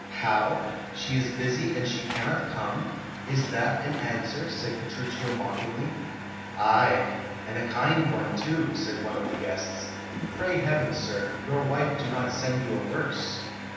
"How? She is busy and she cannot come! Is that an answer?" said Petruchio mockingly. "Ay, and a kind one too," said one of the guests. "Pray heaven, sir, your wife do not send you a worse."